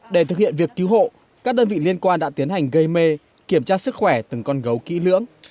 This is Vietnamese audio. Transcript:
để thực hiện việc cứu hộ các đơn vị liên quan đã tiến hành gây mê kiểm tra sức khỏe từng con gấu kỹ lưỡng